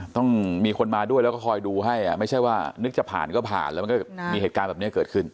ต้องมีคนมาด้วยแล้วก็คอยดูให้ไม่ใช่ว่านึกจะผ่านก็ผ่านแล้วมันก็มีเหตุการณ์แบบนี้เกิดขึ้น